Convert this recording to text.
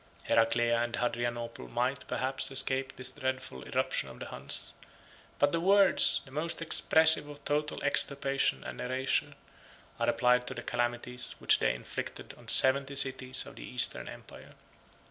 Heraclea and Hadrianople might, perhaps, escape this dreadful irruption of the Huns; but the words, the most expressive of total extirpation and erasure, are applied to the calamities which they inflicted on seventy cities of the Eastern empire.